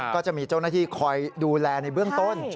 ก็จะมีเจ้าหน้าที่คอยดูแลในเบื้องต้น